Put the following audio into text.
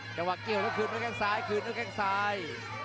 จังหวะเกี่ยวแล้วคืนด้วยแข้งซ้ายคืนด้วยแข้งซ้าย